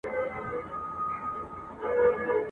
سلطانانو یې منلی منزلت وو ,